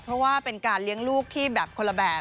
เพราะว่าเป็นการเลี้ยงลูกที่แบบคนละแบบ